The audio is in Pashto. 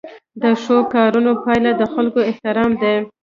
د ښو کارونو پایله د خلکو احترام دی.